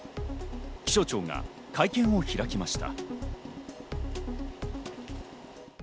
気象庁が会見を開きました。